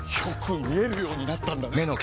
よく見えるようになったんだね！